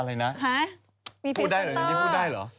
อะไรนะฮะมีพรีเซ็นเตอร์พูดได้หรอพูดได้หรอ